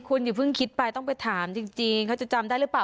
คุณอย่าเพิ่งคิดไปต้องไปถามจริงเขาจะจำได้หรือเปล่า